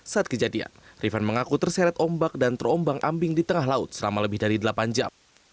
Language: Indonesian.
saat kejadian rifan mengaku terseret ombak dan terombang ambing di tengah laut selama lebih dari delapan jam